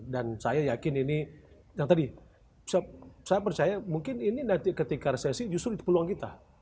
dan saya yakin ini yang tadi saya percaya mungkin ini nanti ketika resesi justru itu peluang kita